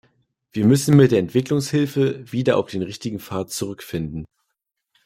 Wir müssen mit der Entwicklungshilfe wieder auf den richtigen Pfad zurückfinden.